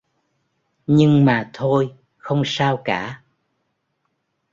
Nhưng mà thôi không sao cả